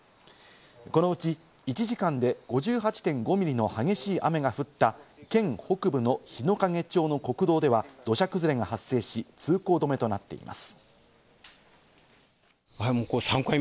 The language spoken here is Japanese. このうち、１時間で５８．５ミリの激しい雨が降った県北部の日之影町の国道では、土砂崩れが発生し、通行止めとなっています。